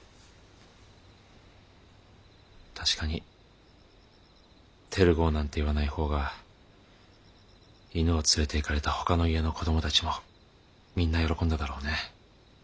確かにテル号なんて言わない方が犬を連れていかれたほかの家の子どもたちもみんな喜んだだろうね。